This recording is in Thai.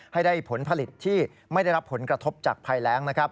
ให้ได้ผลผลิตที่ไม่ได้รับผลกระทบจากภัยแรงนะครับ